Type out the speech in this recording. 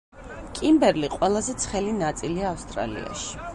კიმბერლი ყველაზე ცხელი ნაწილია ავსტრალიაში.